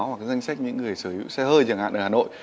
hoặc cái danh sách những người sở hữu xe hơi chẳng hạn ở hà nội